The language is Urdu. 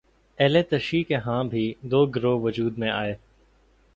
اہل تشیع کے ہاں بھی دو گروہ وجود میں آئے